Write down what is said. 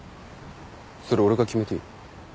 それ俺が決めていいの？